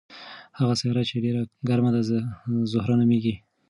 هغه سیاره چې ډېره ګرمه ده زهره نومیږي.